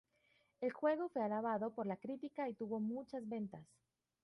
El juego fue alabado por la crítica y tuvo muchas ventas.